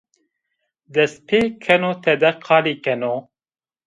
Dest pêkeno tede qalî keno